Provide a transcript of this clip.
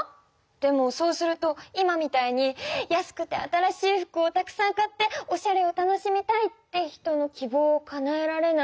でもそうすると今みたいに安くて新しい服をたくさん買っておしゃれを楽しみたいって人のきぼうをかなえられない。